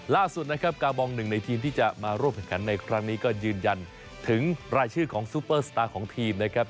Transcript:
ล่าสุดนะครับกาบองหนึ่งในทีมที่จะมาร่วมแข่งขันในครั้งนี้ก็ยืนยันถึงรายชื่อของซูเปอร์สตาร์ของทีมนะครับ